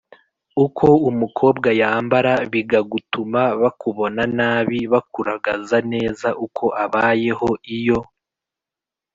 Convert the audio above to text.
Uko umukobwa yambara bigagutuma bakubona nabi bakuragaza neza uko abayeho Iyo